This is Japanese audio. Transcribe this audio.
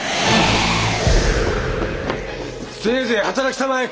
せいぜい働きたまえ